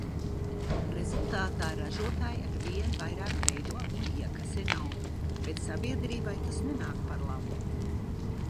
Rezultātā, ražotāji arvien vairāk veido un iekasē naudu, bet sabiedrībai tas nenāk par labu.